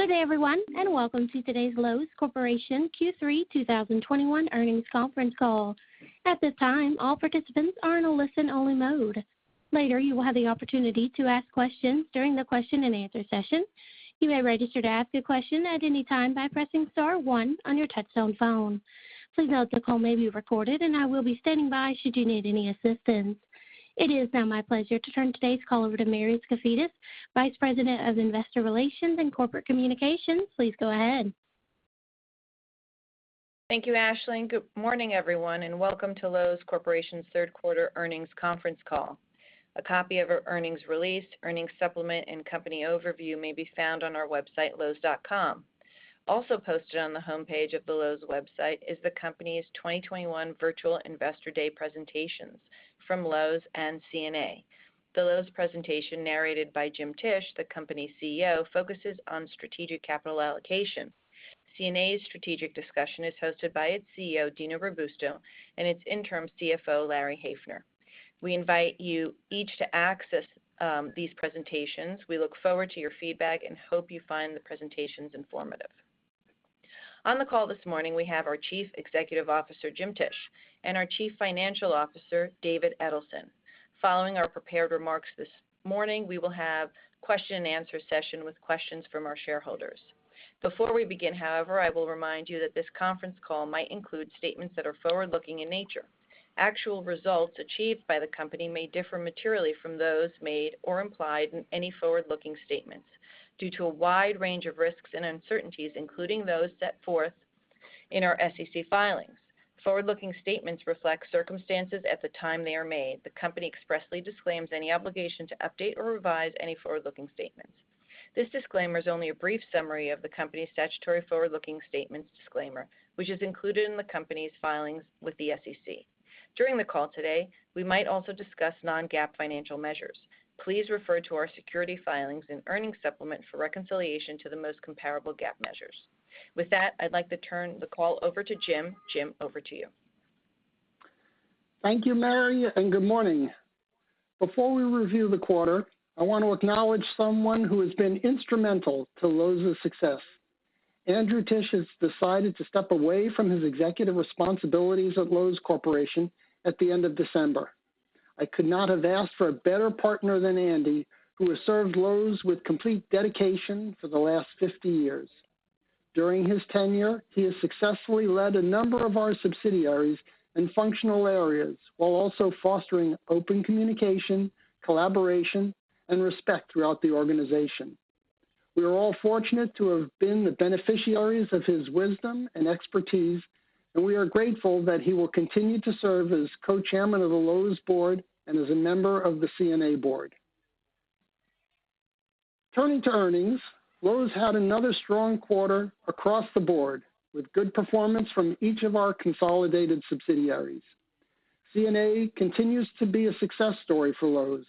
Good day, everyone, and welcome to today's Loews Corporation Q3 2021 Earnings Conference Call. At this time, all participants are in a listen-only mode. Later, you will have the opportunity to ask questions during the question-and-answer session. You may register to ask a question at any time by pressing star one on your touch-tone phone. Please note that the call may be recorded, and I will be standing by should you need any assistance. It is now my pleasure to turn today's call over to Mary Skafidas, Vice President of Investor Relations and Corporate Communications. Please go ahead. Thank you, Ashley, and good morning, everyone, and welcome to Loews Corporation's third quarter earnings conference call. A copy of our earnings release, earnings supplement, and company overview may be found on our website, loews.com. Also posted on the homepage of the Loews website is the company's 2021 virtual Investor Day presentations from Loews and CNA. The Loews presentation, narrated by Jim Tisch, the company's CEO, focuses on strategic capital allocation. CNA's strategic discussion is hosted by its CEO, Dino Robusto, and its interim CFO, Larry Haefner. We invite you each to access these presentations. We look forward to your feedback and hope you find the presentations informative. On the call this morning, we have our Chief Executive Officer, Jim Tisch, and our Chief Financial Officer, David Edelson. Following our prepared remarks this morning, we will have question-and-answer session with questions from our shareholders. Before we begin, however, I will remind you that this conference call might include statements that are forward-looking in nature. Actual results achieved by the company may differ materially from those made or implied in any forward-looking statements due to a wide range of risks and uncertainties, including those set forth in our SEC filings. Forward-looking statements reflect circumstances at the time they are made. The company expressly disclaims any obligation to update or revise any forward-looking statements. This disclaimer is only a brief summary of the company's statutory forward-looking statements disclaimer, which is included in the company's filings with the SEC. During the call today, we might also discuss non-GAAP financial measures. Please refer to our SEC filings and earnings supplement for reconciliation to the most comparable GAAP measures. With that, I'd like to turn the call over to Jim. Jim, over to you. Thank you, Mary, and good morning. Before we review the quarter, I want to acknowledge someone who has been instrumental to Loews success. Andrew Tisch has decided to step away from his executive responsibilities at Loews Corporation at the end of December. I could not have asked for a better partner than Andy, who has served Loews with complete dedication for the last 50 years. During his tenure, he has successfully led a number of our subsidiaries and functional areas while also fostering open communication, collaboration, and respect throughout the organization. We are all fortunate to have been the beneficiaries of his wisdom and expertise, and we are grateful that he will continue to serve as Co-Chairman of the Loews board and as a member of the CNA board. Turning to earnings, Loews had another strong quarter across the board with good performance from each of our consolidated subsidiaries. CNA continues to be a success story for Loews.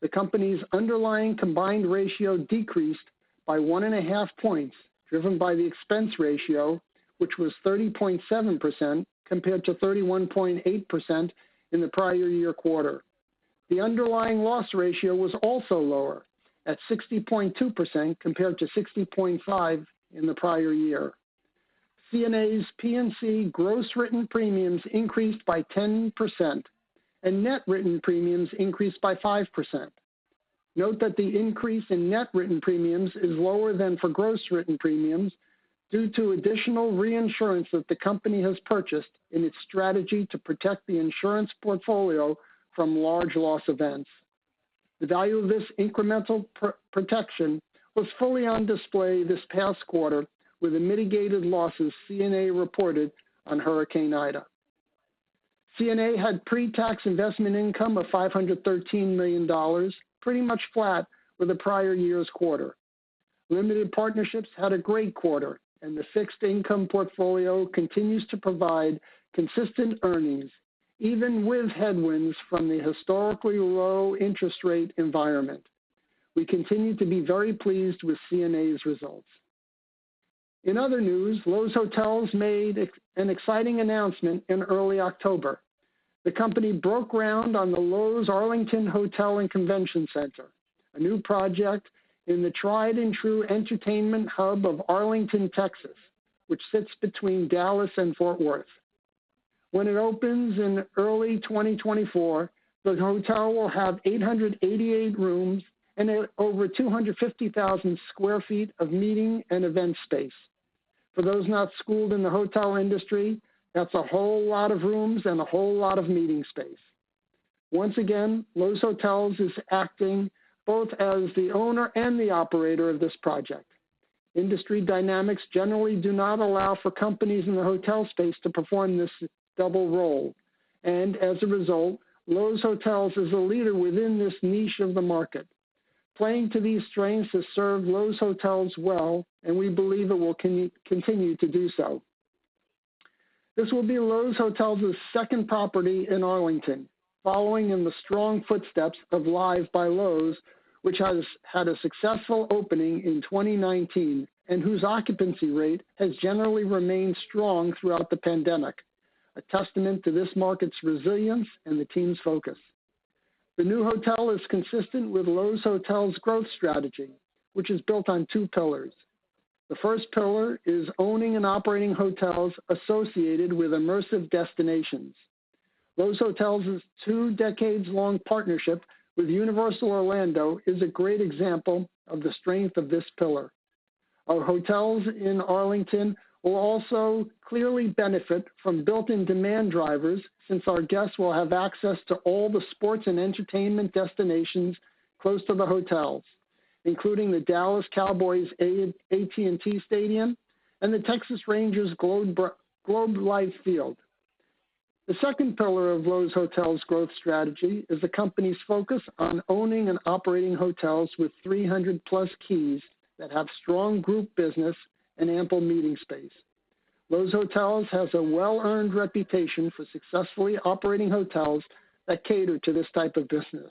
The company's underlying combined ratio decreased by 1.5 points, driven by the expense ratio, which was 30.7% compared to 31.8% in the prior-year quarter. The underlying loss ratio was also lower at 60.2% compared to 60.5% in the prior-year. CNA's P&C gross written premiums increased by 10%, and net written premiums increased by 5%. Note that the increase in net written premiums is lower than for gross written premiums due to additional reinsurance that the company has purchased in its strategy to protect the insurance portfolio from large loss events. The value of this incremental per-protection was fully on display this past quarter with the mitigated losses CNA reported on Hurricane Ida. CNA had pre-tax investment income of $513 million, pretty much flat with the prior-year's quarter. Limited Partnerships had a great quarter, and the fixed income portfolio continues to provide consistent earnings, even with headwinds from the historically low interest rate environment. We continue to be very pleased with CNA's results. In other news, Loews Hotels made an exciting announcement in early October. The company broke ground on the Loews Arlington Hotel and Convention Center, a new project in the tried and true entertainment hub of Arlington, Texas, which sits between Dallas and Fort Worth. When it opens in early 2024, the hotel will have 888 rooms and over 250,000 sq ft of meeting and event space. For those not schooled in the hotel industry, that's a whole lot of rooms and a whole lot of meeting space. Once again, Loews Hotels is acting both as the owner and the operator of this project. Industry dynamics generally do not allow for companies in the hotel space to perform this double role. As a result, Loews Hotels is a leader within this niche of the market. Playing to these strengths has served Loews Hotels well, and we believe it will continue to do so. This will be Loews Hotels' second property in Arlington, following in the strong footsteps of Live! by Loews, which has had a successful opening in 2019 and whose occupancy rate has generally remained strong throughout the pandemic, a testament to this market's resilience and the team's focus. The new hotel is consistent with Loews Hotels growth strategy, which is built on two pillars. The first pillar is owning and operating hotels associated with immersive destinations. Loews Hotels' two decades-long partnership with Universal Orlando is a great example of the strength of this pillar. Our hotels in Arlington will also clearly benefit from built-in demand drivers since our guests will have access to all the sports and entertainment destinations close to the hotels, including the Dallas Cowboys AT&T Stadium and the Texas Rangers Globe Life Field. The second pillar of Loews Hotels growth strategy is the company's focus on owning and operating hotels with 300-plus keys that have strong group business and ample meeting space. Loews Hotels has a well-earned reputation for successfully operating hotels that cater to this type of business.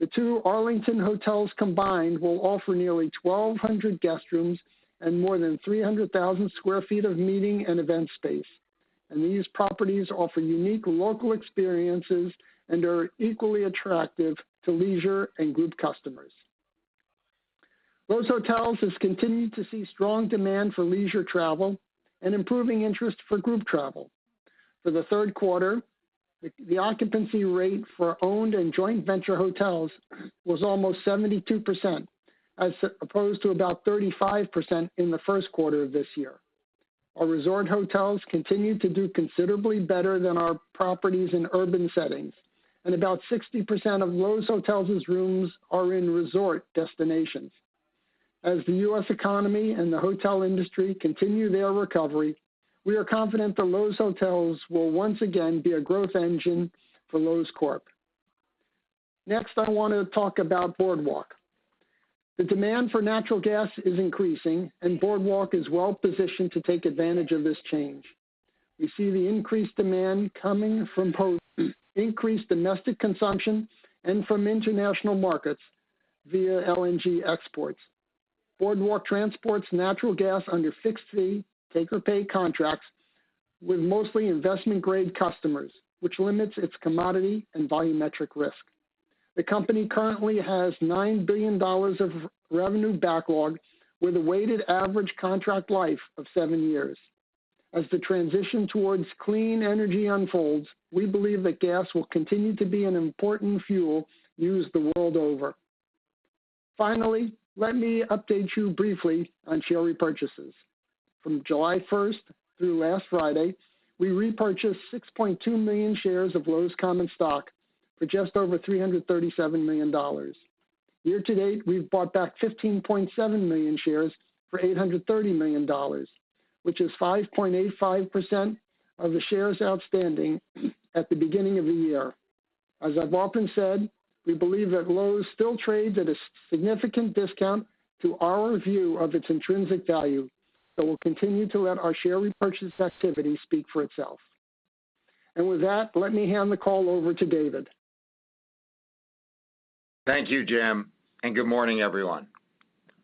The two Arlington hotels combined will offer nearly 1,200 guest rooms and more than 300,000 sq ft of meeting and event space. These properties offer unique local experiences and are equally attractive to leisure and group customers. Loews Hotels has continued to see strong demand for leisure travel and improving interest for group travel. For the third quarter, the occupancy rate for owned and joint venture hotels was almost 72%, as opposed to about 35% in the first quarter of this year. Our resort hotels continue to do considerably better than our properties in urban settings, and about 60% of Loews Hotels' rooms are in resort destinations. As the U.S. economy and the hotel industry continue their recovery, we are confident that Loews Hotels will once again be a growth engine for Loews Corp. Next, I want to talk about Boardwalk. The demand for natural gas is increasing and Boardwalk is well-positioned to take advantage of this change. We see the increased demand coming from both increased domestic consumption and from international markets via LNG exports. Boardwalk transports natural gas under fixed-fee take-or-pay contracts with mostly investment-grade customers, which limits its commodity and volumetric risk. The company currently has $9 billion of revenue backlog with a weighted average contract life of seven years. As the transition towards clean energy unfolds, we believe that gas will continue to be an important fuel used the world over. Finally, let me update you briefly on share repurchases. From July first through last Friday, we repurchased 6.2 million shares of Loews common stock for just over $337 million. Year-to-date, we've bought back 15.7 million shares for $830 million, which is 5.85% of the shares outstanding at the beginning of the year. As I've often said, we believe that Loews still trades at a significant discount to our view of its intrinsic value that will continue to let our share repurchase activity speak for itself. With that, let me hand the call over to David. Thank you, Jim, and good morning, everyone.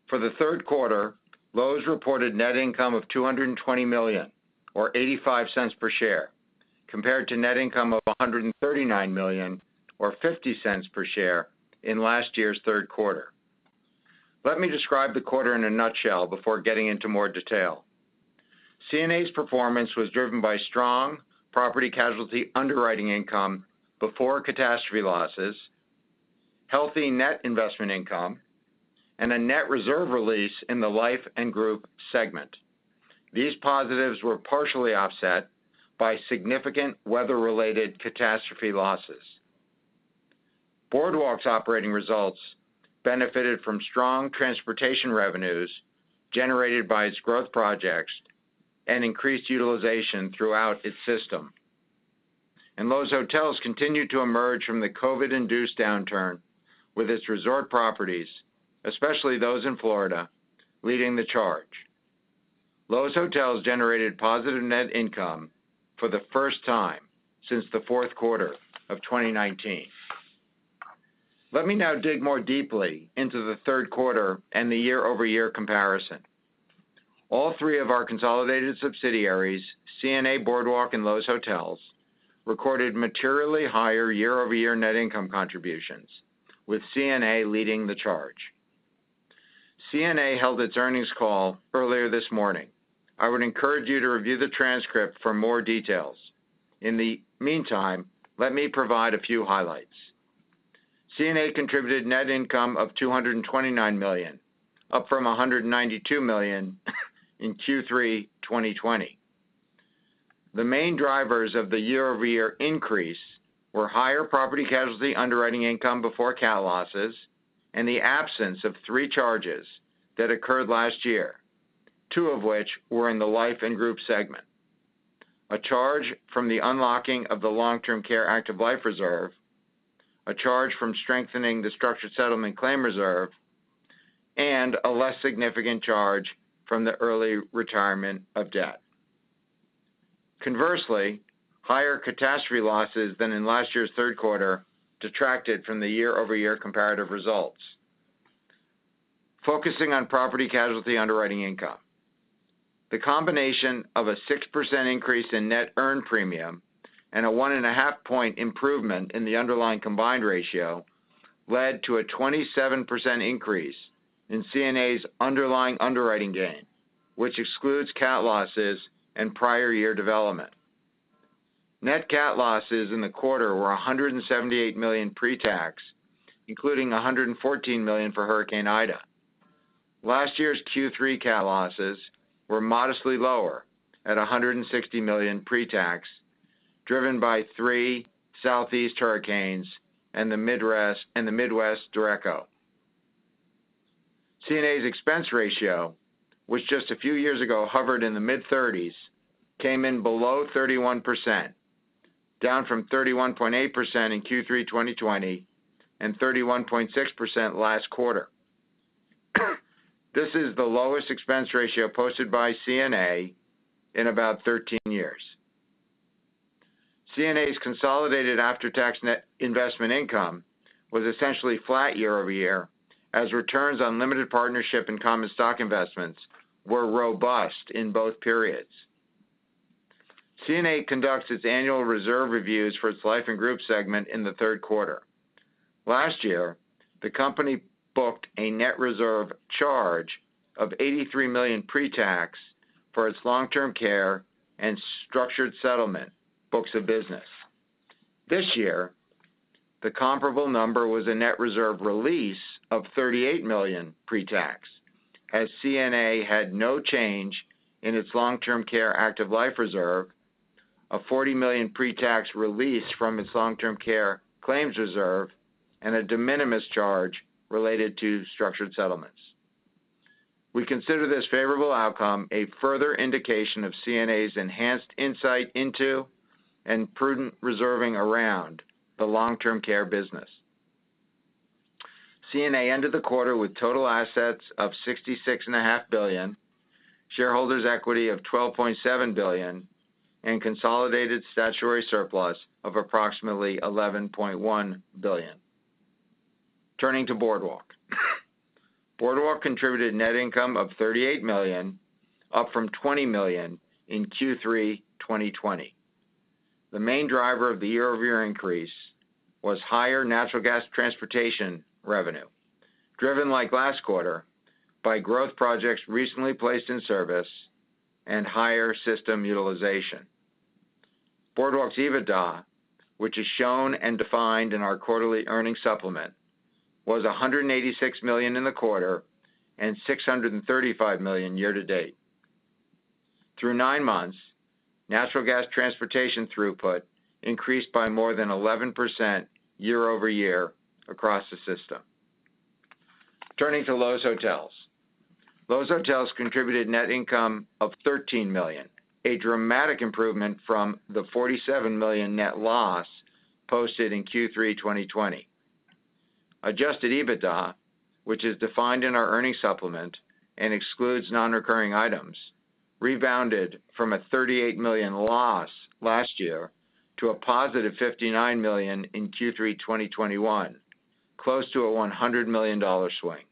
For the third quarter, Loews reported net income of $220 million or $0.85 per share, compared to net income of $139 million or $0.50 per share in last year's third quarter. Let me describe the quarter in a nutshell before getting into more detail. CNA's performance was driven by strong property casualty underwriting income before catastrophe losses, healthy net investment income, and a net reserve release in the life and group segment. These positives were partially offset by significant weather-related catastrophe losses. Boardwalk's operating results benefited from strong transportation revenues generated by its growth projects and increased utilization throughout its system. Loews Hotels continued to emerge from the COVID-induced downturn with its resort properties, especially those in Florida, leading the charge. Loews Hotels generated positive net income for the first time since the fourth quarter of 2019. Let me now dig more deeply into the third quarter and the year-over-year comparison. All three of our consolidated subsidiaries, CNA Boardwalk and Loews Hotels, recorded materially higher year-over-year net income contributions, with CNA leading the charge. CNA held its earnings call earlier this morning. I would encourage you to review the transcript for more details. In the meantime, let me provide a few highlights. CNA contributed net income of $229 million, up from $192 million in Q3 2020. The main drivers of the year-over-year increase were higher property casualty underwriting income before cat losses and the absence of three charges that occurred last year, two of which were in the life and group segment. A charge from the unlocking of the long-term care active life reserve, a charge from strengthening the structured settlement claim reserve, and a less significant charge from the early retirement of debt. Conversely, higher catastrophe losses than in last year's third quarter detracted from the year-over-year comparative results. Focusing on property & casualty underwriting income. The combination of a 6% increase in net earned premium and a 1.5-point improvement in the underlying combined ratio led to a 27% increase in CNA's underlying underwriting gain, which excludes cat losses and prior-year development. Net cat losses in the quarter were $178 million pre-tax, including $114 million for Hurricane Ida. Last year's Q3 cat losses were modestly lower at $160 million pre-tax, driven by three southeast hurricanes and the Midwest derecho. CNA's expense ratio, which just a few years ago hovered in the mid-30s, came in below 31%, down from 31.8% in Q3 2020 and 31.6% last quarter. This is the lowest expense ratio posted by CNA in about 13 years. CNA's consolidated after-tax net investment income was essentially flat year-over-year, as returns on limited partnership and common stock investments were robust in both periods. CNA conducts its annual reserve reviews for its life and group segment in the third quarter. Last year, the company booked a net reserve charge of $83 million pre-tax for its long-term care and structured settlement books of business. This year, the comparable number was a net reserve release of $38 million pre-tax, as CNA had no change in its long-term care active life reserve, a $40 million pre-tax release from its long-term care claims reserve, and a de minimis charge related to structured settlements. We consider this favorable outcome a further indication of CNA's enhanced insight into and prudent reserving around the long-term care business. CNA ended the quarter with total assets of $66.5 billion, shareholders equity of $12.7 billion, and consolidated statutory surplus of approximately $11.1 billion. Turning to Boardwalk. Boardwalk contributed net income of $38 million, up from $20 million in Q3 2020. The main driver of the year-over-year increase was higher natural gas transportation revenue, driven like last quarter by growth projects recently placed in service and higher system utilization. Boardwalk's EBITDA, which is shown and defined in our quarterly earnings supplement, was $186 million in the quarter and $635 million year-to-date. Through nine months, natural gas transportation throughput increased by more than 11% year-over-year across the system. Turning to Loews Hotels. Loews Hotels contributed net income of $13 million, a dramatic improvement from the $47 million net loss posted in Q3 2020. Adjusted EBITDA, which is defined in our earnings supplement and excludes non-recurring items, rebounded from a $38 million loss last year to a positive $59 million in Q3 2021, close to a $100 million swing.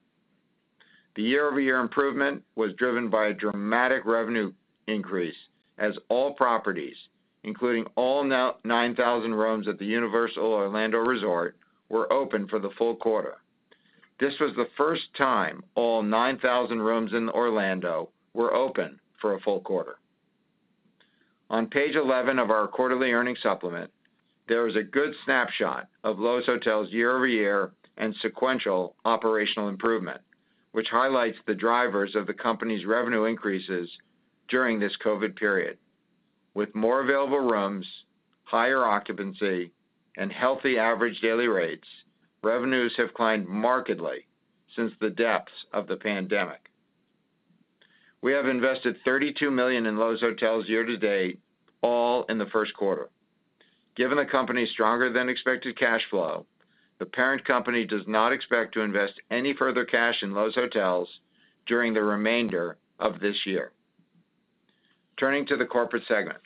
The year-over-year improvement was driven by a dramatic revenue increase as all properties, including all 9,000 rooms at the Universal Orlando Resort, were open for the full quarter. This was the first time all 9,000 rooms in Orlando were open for a full quarter. On page 11 of our quarterly earnings supplement, there is a good snapshot of Loews Hotels year-over-year and sequential operational improvement, which highlights the drivers of the company's revenue increases during this COVID period. With more available rooms, higher occupancy, and healthy average daily rates, revenues have climbed markedly since the depths of the pandemic. We have invested $32 million in Loews Hotels year-to-date, all in the first quarter. Given the company's stronger than expected cash flow, the parent company does not expect to invest any further cash in Loews Hotels during the remainder of this year. Turning to the corporate segment.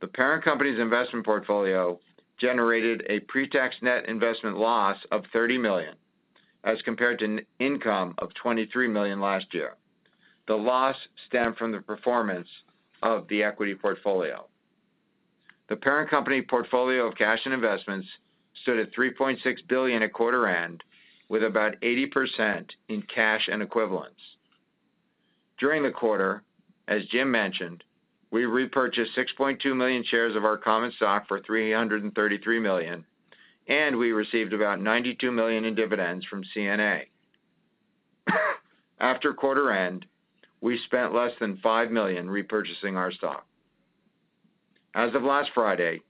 The parent company's investment portfolio generated a pre-tax net investment loss of $30 million as compared to an income of $23 million last year. The loss stemmed from the performance of the equity portfolio. The parent company portfolio of cash and investments stood at $3.6 billion at quarter end, with about 80% in cash and equivalents. During the quarter, as Jim mentioned, we repurchased 6.2 million shares of our common stock for $333 million, and we received about $92 million in dividends from CNA. After quarter end, we spent less than $5 million repurchasing our stock. As of last Friday,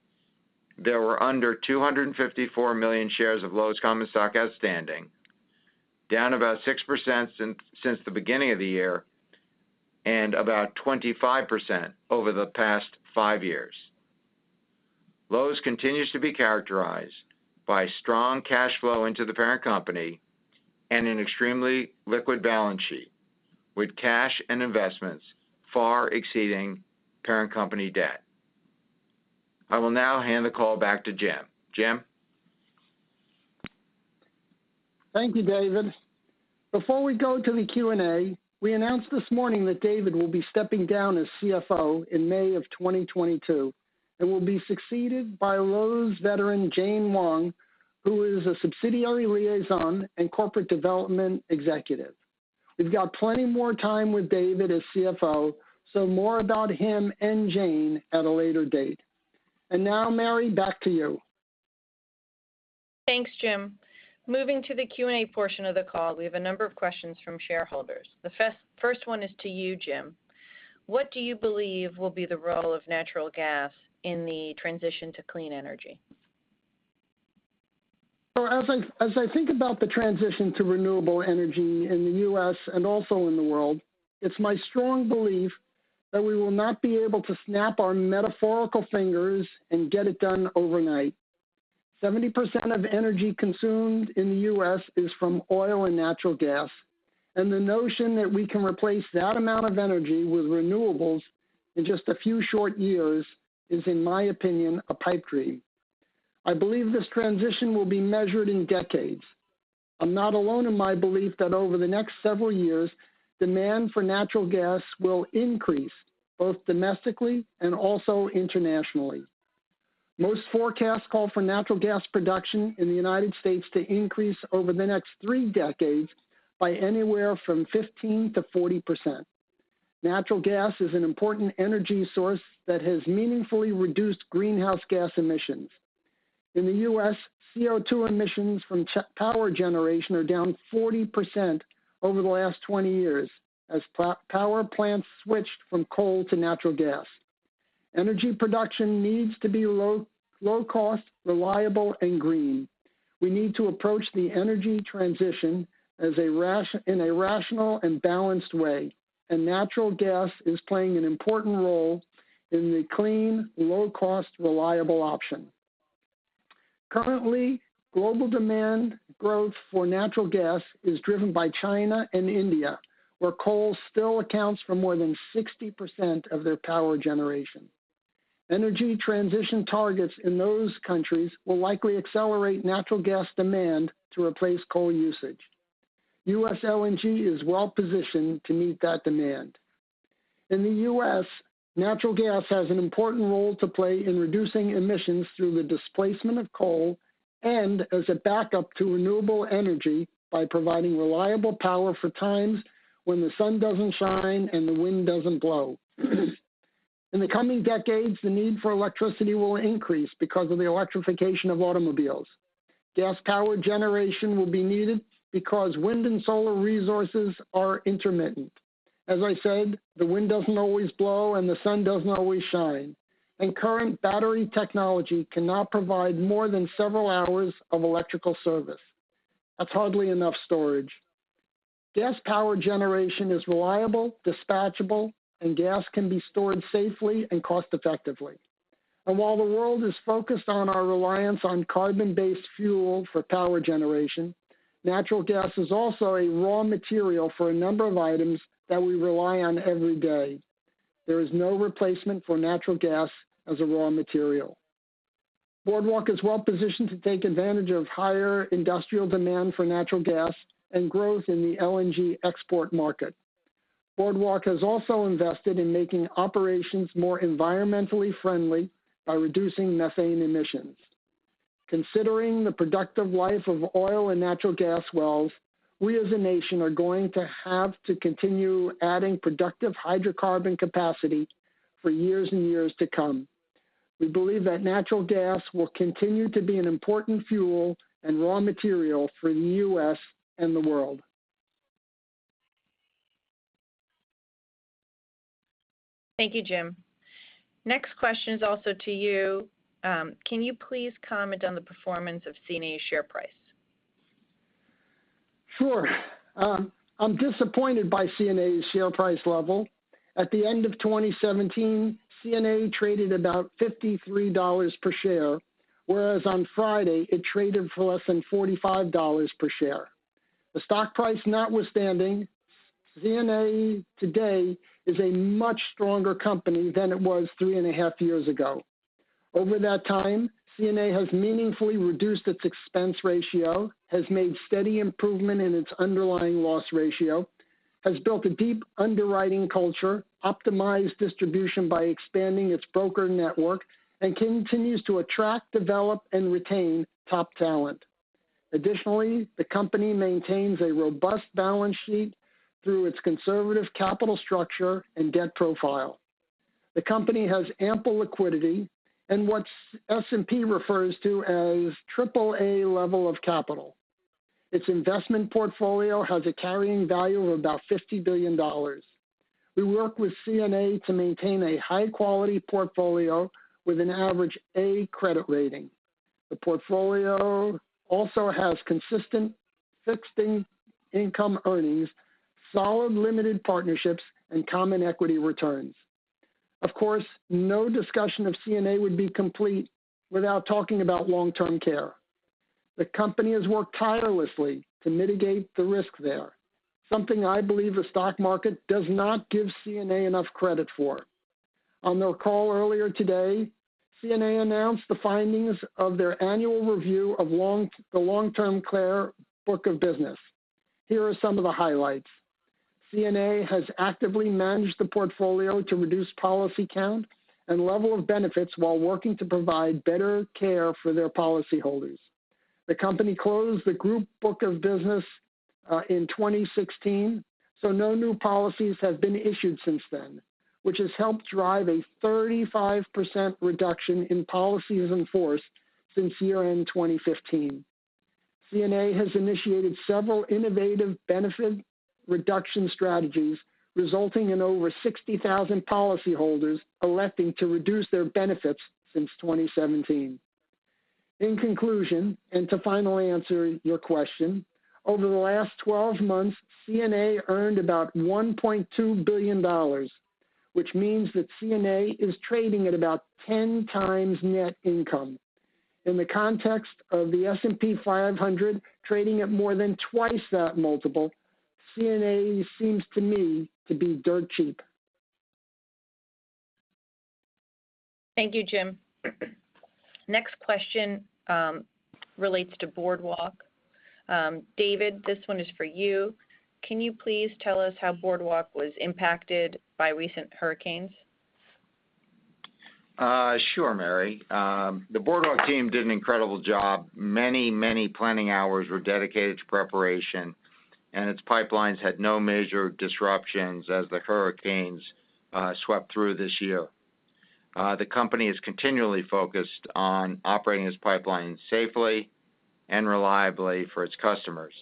there were under 254 million shares of Loews common stock outstanding, down about 6% since the beginning of the year and about 25% over the past five years. Loews continues to be characterized by strong cash flow into the parent company and an extremely liquid balance sheet, with cash and investments far exceeding parent company debt. I will now hand the call back to Jim. Jim? Thank you, David. Before we go to the Q&A, we announced this morning that David will be stepping down as CFO in May 2022 and will be succeeded by Loews veteran Jane Wang, who is a subsidiary liaison and corporate development executive. We've got plenty more time with David as CFO, so more about him and Jane at a later date. Now, Mary, back to you. Thanks, Jim. Moving to the Q&A portion of the call, we have a number of questions from shareholders. The first one is to you, Jim. What do you believe will be the role of natural gas in the transition to clean energy? As I think about the transition to renewable energy in the U.S. and also in the world, it's my strong belief that we will not be able to snap our metaphorical fingers and get it done overnight. 70% of energy consumed in the U.S. is from oil and natural gas, and the notion that we can replace that amount of energy with renewables in just a few short years is, in my opinion, a pipe dream. I believe this transition will be measured in decades. I'm not alone in my belief that over the next several years, demand for natural gas will increase both domestically and also internationally. Most forecasts call for natural gas production in the United States to increase over the next three decades by anywhere from 15% to 40%. Natural gas is an important energy source that has meaningfully reduced greenhouse gas emissions. In the U.S., CO2 emissions from power generation are down 40% over the last 20 years as power plants switched from coal to natural gas. Energy production needs to be low cost, reliable, and green. We need to approach the energy transition in a rational and balanced way, and natural gas is playing an important role in the clean, low cost, reliable option. Currently, global demand growth for natural gas is driven by China and India, where coal still accounts for more than 60% of their power generation. Energy transition targets in those countries will likely accelerate natural gas demand to replace coal usage. U.S. LNG is well-positioned to meet that demand. In the U.S., natural gas has an important role to play in reducing emissions through the displacement of coal and as a backup to renewable energy by providing reliable power for times when the sun doesn't shine and the wind doesn't blow. In the coming decades, the need for electricity will increase because of the electrification of automobiles. Gas power generation will be needed because wind and solar resources are intermittent. As I said, the wind doesn't always blow and the sun doesn't always shine, and current battery technology cannot provide more than several hours of electrical service. That's hardly enough storage. Gas power generation is reliable, dispatchable, and gas can be stored safely and cost effectively. While the world is focused on our reliance on carbon-based fuel for power generation, natural gas is also a raw material for a number of items that we rely on every day. There is no replacement for natural gas as a raw material. Boardwalk is well-positioned to take advantage of higher industrial demand for natural gas and growth in the LNG export market. Boardwalk has also invested in making operations more environmentally friendly by reducing methane emissions. Considering the productive life of oil and natural gas wells, we as a nation are going to have to continue adding productive hydrocarbon capacity for years and years to come. We believe that natural gas will continue to be an important fuel and raw material for the U.S. and the world. Thank you, Jim. Next question is also to you. Can you please comment on the performance of CNA's share price? Sure. I'm disappointed by CNA's share price level. At the end of 2017, CNA traded about $53 per share, whereas on Friday, it traded for less than $45 per share. The stock price notwithstanding, CNA today is a much stronger company than it was three and a half years ago. Over that time, CNA has meaningfully reduced its expense ratio, has made steady improvement in its underlying loss ratio, has built a deep underwriting culture, optimized distribution by expanding its broker network, and continues to attract, develop, and retain top talent. Additionally, the company maintains a robust balance sheet through its conservative capital structure and debt profile. The company has ample liquidity and what S&P refers to as triple A level of capital. Its investment portfolio has a carrying value of about $50 billion. We work with CNA to maintain a high-quality portfolio with an average A credit rating. The portfolio also has consistent fixed income earnings, solid limited partnerships, and common equity returns. Of course, no discussion of CNA would be complete without talking about long-term care. The company has worked tirelessly to mitigate the risk there, something I believe the stock market does not give CNA enough credit for. On their call earlier today, CNA announced the findings of their annual review of the long-term care book of business. Here are some of the highlights. CNA has actively managed the portfolio to reduce policy count and level of benefits while working to provide better care for their policyholders. The company closed the group book of business in 2016, so no new policies have been issued since then, which has helped drive a 35% reduction in policies in force since year-end 2015. CNA has initiated several innovative benefit reduction strategies, resulting in over 60,000 policyholders electing to reduce their benefits since 2017. In conclusion, to finally answer your question, over the last 12 months, CNA earned about $1.2 billion, which means that CNA is trading at about 10x net income. In the context of the S&P 500 trading at more than twice that multiple, CNA seems to me to be dirt cheap. Thank you, Jim. Next question relates to Boardwalk. David, this one is for you. Can you please tell us how Boardwalk was impacted by recent hurricanes? Sure, Mary. The Boardwalk team did an incredible job. Many planning hours were dedicated to preparation, and its pipelines had no major disruptions as the hurricanes swept through this year. The company is continually focused on operating its pipelines safely and reliably for its customers.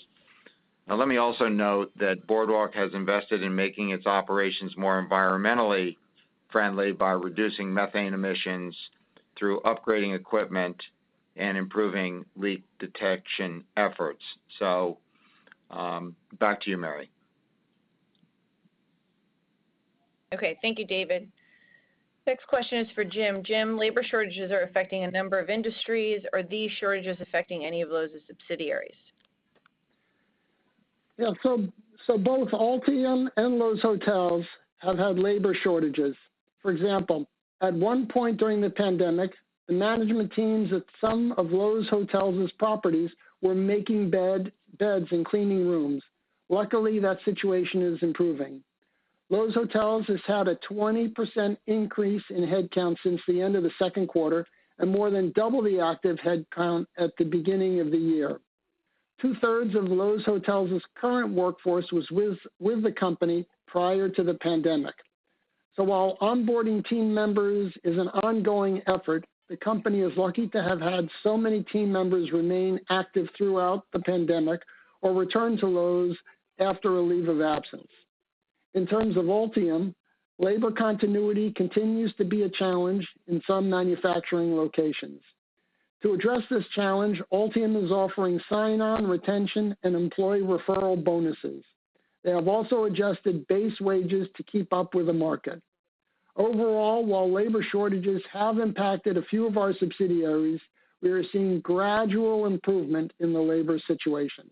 Now let me also note that Boardwalk has invested in making its operations more environmentally friendly by reducing methane emissions through upgrading equipment and improving leak detection efforts. Back to you, Mary. Okay. Thank you, David. Next question is for Jim. Jim, labor shortages are affecting a number of industries. Are these shortages affecting any of Loews' subsidiaries? Yeah. Both Altium and Loews Hotels have had labor shortages. For example, at one point during the pandemic, the management teams at some of Loews Hotels' properties were making beds and cleaning rooms. Luckily, that situation is improving. Loews Hotels has had a 20% increase in headcount since the end of the second quarter and more than double the active headcount at the beginning of the year. Two-thirds of Loews Hotels' current workforce was with the company prior to the pandemic. While onboarding team members is an ongoing effort, the company is lucky to have had so many team members remain active throughout the pandemic or return to Loews after a leave of absence. In terms of Altium, labor continuity continues to be a challenge in some manufacturing locations. To address this challenge, Altium is offering sign-on retention and employee referral bonuses. They have also adjusted base wages to keep up with the market. Overall, while labor shortages have impacted a few of our subsidiaries, we are seeing gradual improvement in the labor situation.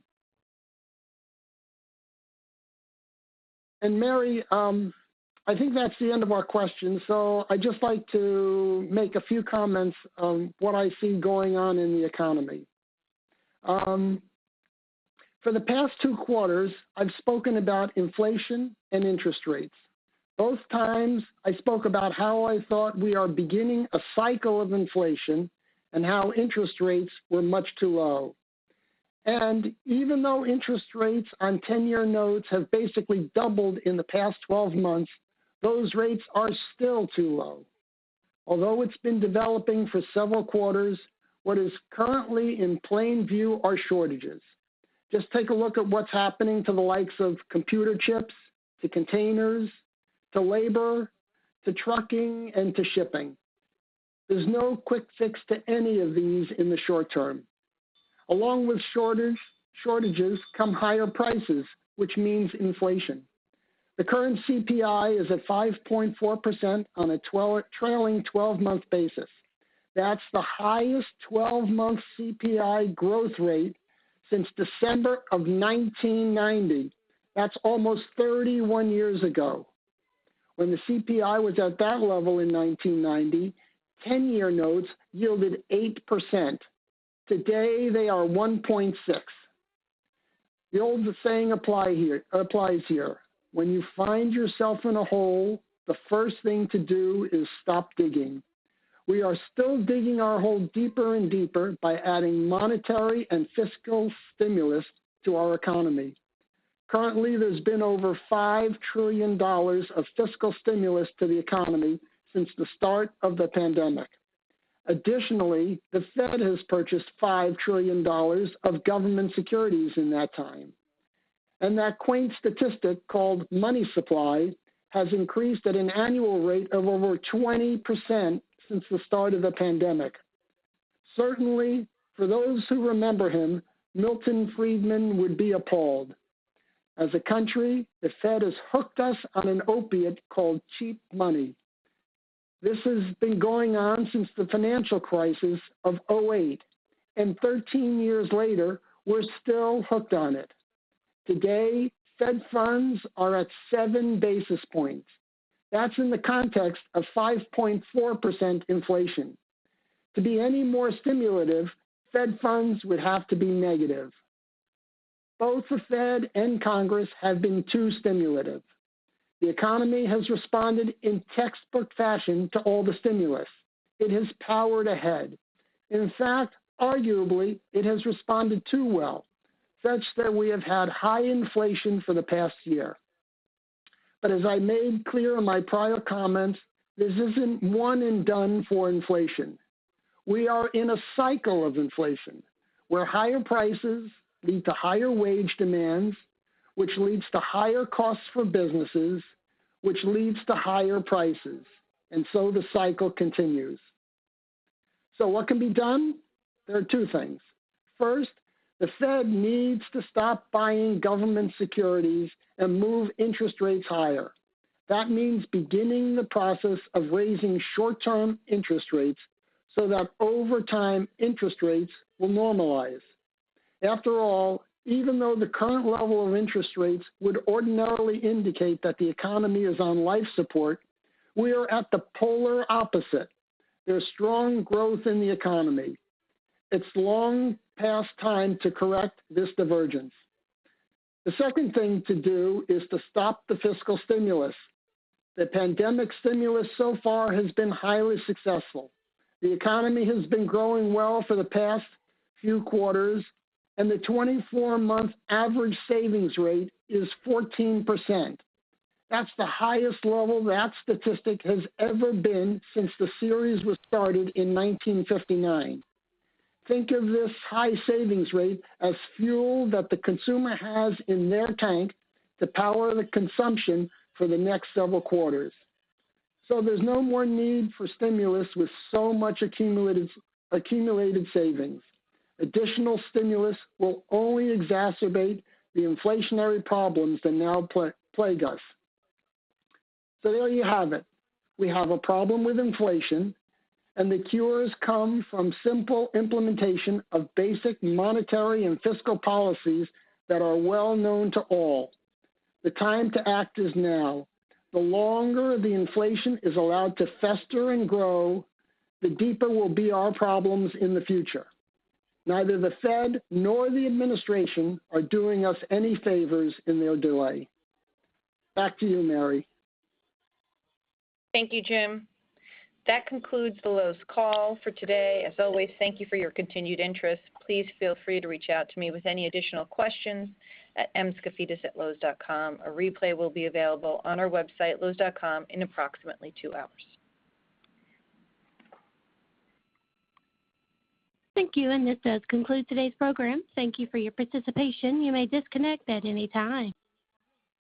Mary, I think that's the end of our questions, so I'd just like to make a few comments on what I see going on in the economy. For the past two quarters, I've spoken about inflation and interest rates. Both times I spoke about how I thought we are beginning a cycle of inflation and how interest rates were much too low. Even though interest rates on 10-year notes have basically doubled in the past 12 months, those rates are still too low. Although it's been developing for several quarters, what is currently in plain view are shortages. Just take a look at what's happening to the likes of computer chips, to containers, to labor, to trucking, and to shipping. There's no quick fix to any of these in the short term. Along with shortages come higher prices, which means inflation. The current CPI is at 5.4% on a trailing 12-month basis. That's the highest 12-month CPI growth rate since December of 1990. That's almost 31 years ago. When the CPI was at that level in 1990, 10-year notes yielded 8%. Today, they are 1.6. The old saying applies here. When you find yourself in a hole, the first thing to do is stop digging. We are still digging our hole deeper and deeper by adding monetary and fiscal stimulus to our economy. Currently, there's been over $5 trillion of fiscal stimulus to the economy since the start of the pandemic. Additionally, the Fed has purchased $5 trillion of government securities in that time. That quaint statistic called money supply has increased at an annual rate of over 20% since the start of the pandemic. Certainly, for those who remember him, Milton Friedman would be appalled. As a country, the Fed has hooked us on an opiate called cheap money. This has been going on since the financial crisis of 2008, and 13 years later, we're still hooked on it. Today, Fed funds are at seven basis points. That's in the context of 5.4% inflation. To be any more stimulative, Fed funds would have to be negative. Both the Fed and Congress have been too stimulative. The economy has responded in textbook fashion to all the stimulus. It has powered ahead. In fact, arguably, it has responded too well, such that we have had high inflation for the past year. As I made clear in my prior comments, this isn't one and done for inflation. We are in a cycle of inflation where higher prices lead to higher wage demands, which leads to higher costs for businesses, which leads to higher prices, and so the cycle continues. What can be done? There are two things. First, the Fed needs to stop buying government securities and move interest rates higher. That means beginning the process of raising short-term interest rates so that over time interest rates will normalize. After all, even though the current level of interest rates would ordinarily indicate that the economy is on life support, we are at the polar opposite. There's strong growth in the economy. It's long past time to correct this divergence. The second thing to do is to stop the fiscal stimulus. The pandemic stimulus so far has been highly successful. The economy has been growing well for the past few quarters, and the 24-month average savings rate is 14%. That's the highest level that statistic has ever been since the series was started in 1959. Think of this high savings rate as fuel that the consumer has in their tank to power the consumption for the next several quarters. There's no more need for stimulus with so much accumulated savings. Additional stimulus will only exacerbate the inflationary problems that now plague us. There you have it. We have a problem with inflation, and the cures come from simple implementation of basic monetary and fiscal policies that are well known to all. The time to act is now. The longer the inflation is allowed to fester and grow, the deeper will be our problems in the future. Neither the Fed nor the administration are doing us any favors in their delay. Back to you, Mary. Thank you, Jim. That concludes the Loews call for today. As always, thank you for your continued interest. Please feel free to reach out to me with any additional questions at mskafidas@loews.com. A replay will be available on our website, loews.com in approximately two hours. Thank you, and this does conclude today's program. Thank you for your participation. You may disconnect at any time.